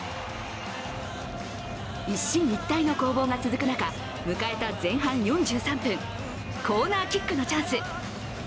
一進一退の攻防が続く中迎えた前半４３分、コーナーキックのチャンス。